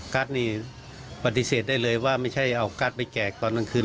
ัสนี่ปฏิเสธได้เลยว่าไม่ใช่เอากัสไปแจกตอนกลางคืน